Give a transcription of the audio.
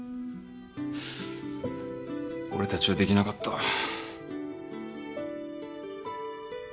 俺たちはできなかった。